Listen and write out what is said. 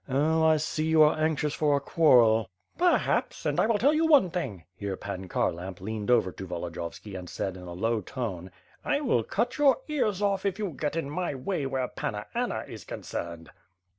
"Oh, I see you are anxious for a quarrel." ''Perhaps, and I will tell you one thing," here Pan Khar lamp leaned over to Volodiyovski and said in a low tone: "I will cut your ears off if you get in my way where Panna Anna is concerned."